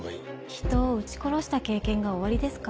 人を撃ち殺した経験がおありですか？